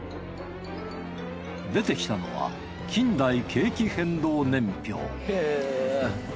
出てきたのは「近代景気変動年表」